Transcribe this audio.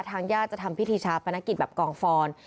ทางญาติจะทำพิธีชาปนกิจแบบกองฟอน